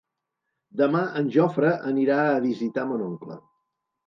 Demà en Jofre anirà a visitar mon oncle.